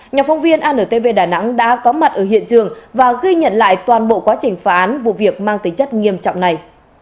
nhà phóng viên antv đà nẵng đã có mặt ở hiện trường và ghi nhận lại toàn bộ quá trình phá án vụ việc mang tính chất nghiêm trọng này